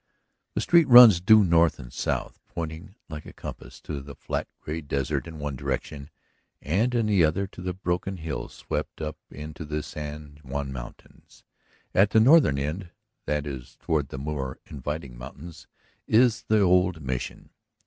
The street runs due north and south, pointing like a compass to the flat gray desert in the one direction, and in the other to the broken hills swept up into the San Juan mountains. At the northern end, that is toward the more inviting mountains, is the old Mission.